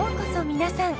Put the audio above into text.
皆さん。